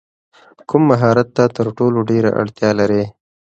کوم مهارت ته تر ټولو ډېره اړتیا لرې؟